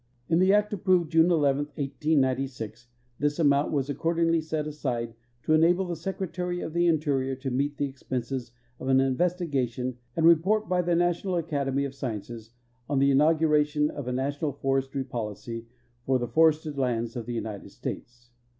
In the act approved June 11, 1896, this amount was accordingly set aside "'to enable the Secretary of the Interior to meet the ex penses of an investigation and report by the National Academy of Sciences on the inauguration of a national forestr}^ policy for the forested lands of the United States."